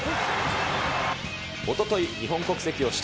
おととい、日本国籍を取得。